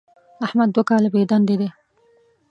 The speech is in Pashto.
احمد دوه کاله بېدندې دی.